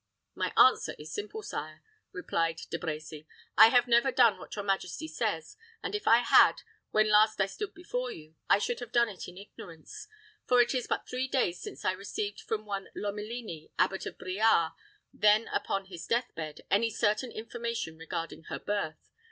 "My answer is simple, sire," replied De Brecy. "I have never done what your majesty says; and if I had, when last I stood before you, I should have done it in ignorance; for it is but three days since I received from one Lomelini, abbot of Briare, then upon his death bed, any certain information regarding her birth.